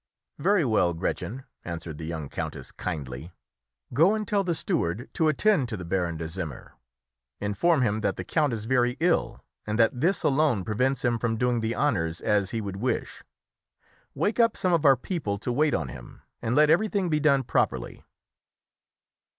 "Very well, Gretchen," answered the young countess, kindly; "go and tell the steward to attend to the Baron de Zimmer. Inform him that the count is very ill, and that this alone prevents him from doing the honours as he would wish. Wake up some of our people to wait on him, and let everything be done properly."